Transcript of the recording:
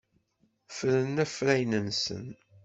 Ffren afrayen-nsen.